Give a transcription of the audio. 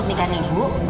ibu bakal l fairya